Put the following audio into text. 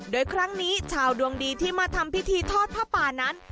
โดยครั้งนี้ชาวดวงดีที่มาทำพิธีทอดผ้าป่านั้น